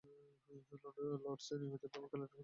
লর্ডসে নিয়মিতভাবে খেলাটি হতো।